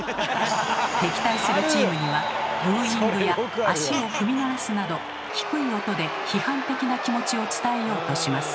敵対するチームにはブーイングや足を踏み鳴らすなど低い音で批判的な気持ちを伝えようとします。